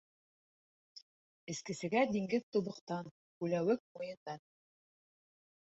Эскесегә диңгеҙ тубыҡтан, күләүек муйындан.